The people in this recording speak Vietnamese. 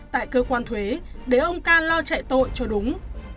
tại cơ quan thuế để ông ca lo chạy tội cho đúng